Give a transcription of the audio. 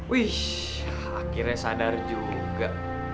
wih akhirnya sadar juga